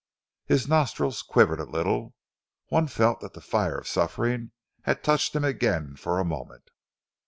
His nostrils quivered a little. One felt that the fire of suffering had touched him again for a moment.